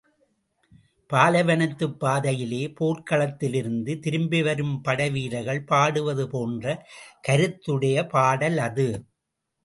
பாலைவனத்துப் பாதையிலே போர்க்களத்திலிருந்து திரும்பி வரும் படைவீரர்கள் பாடுவது போன்ற கருத்துடைய பாடல் அது.